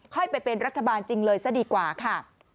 ค่อยไปเป็นรัฐบาลจริงเลยซะดีกว่าค่ะ